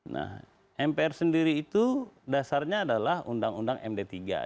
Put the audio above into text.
nah mpr sendiri itu dasarnya adalah undang undang md tiga